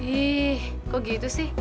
ih kok gitu sih